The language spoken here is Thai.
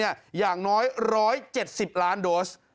อย่างน้อย๑๗๐ล้านโดส